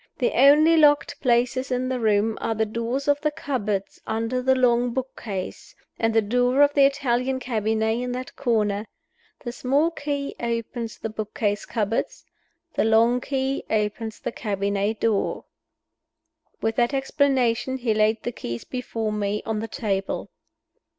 The only locked places in the room are the doors of the cupboards under the long book case, and the door of the Italian cabinet in that corner. The small key opens the book case cupboards; the long key opens the cabinet door." With that explanation, he laid the keys before me on the table.